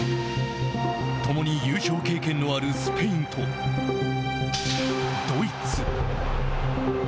共に優勝経験のあるスペインとドイツ。